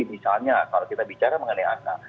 misalnya kalau kita bicara mengenai angka